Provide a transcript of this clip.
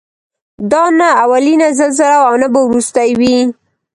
دا نه اولینه زلزله وه او نه به وروستۍ وي.